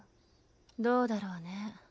どうだろうね。